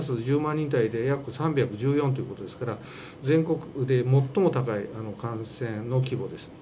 人当たりで約３１４ということですから、全国区で最も高い感染の規模です。